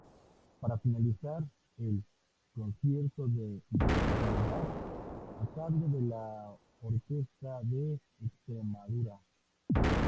Para finalizar el "Concierto de la Hispanidad" a cargo de la Orquesta de Extremadura.